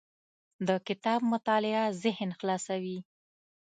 د کتاب مطالعه ذهن خلاصوي.